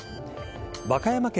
和歌山県